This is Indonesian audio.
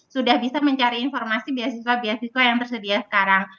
sudah bisa mencari informasi beasiswa beasiswa yang tersedia sekarang